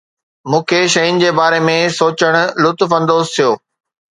مون کي شين جي باري ۾ سوچڻ لطف اندوز ٿيو